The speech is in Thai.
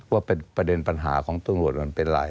ว่าเป็นประเด็นปัญหาของต้นรวจมันเป็นไร